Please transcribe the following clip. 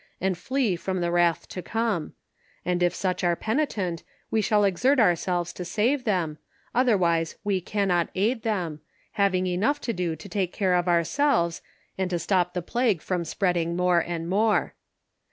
393 and flee from the wrath to come ; and if such are penitent, we shall exert ourselves to save them, otherwise we cannot aid them, having enough to do to take care of ourselves, and to stop the plague from spreading more and more.